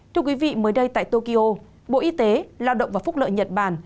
thưa quý vị mới đây tại tokyo bộ y tế lao động và phúc lợi nhật bản